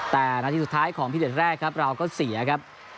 แต่นาทีสุดท้ายของพิเด็ดแรกครับเราก็เสียครับ